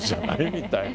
みたいな。